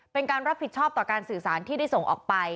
เป็นการรับผิดชอบต่อการสื่อสารที่ได้ส่งออกไป